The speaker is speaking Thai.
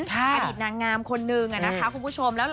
อดีตนางงามคนนึงนะคะคุณผู้ชม